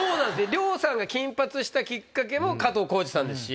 亮さんが金髪にしたきっかけも加藤浩次さんですし。